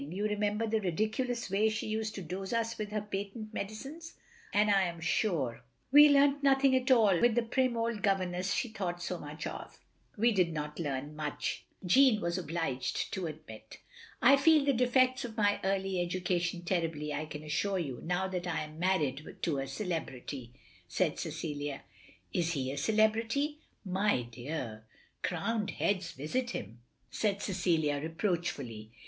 You remember the ridiculous way she used to dose us with her patent medicines; and I am sure we learnt nothing at all with the prim old governess she thought so much of. " "We did not learn much," Jeanne was obliged to admit. "I feel the defects of my early education terribly, I can assure you, now that I am married to a celebrity, " said Cecilia. "Is he a celebrity?" "My dear! Crowned heads visit him!" said 174 THE LONELY LADY Cecilia, reproachfully.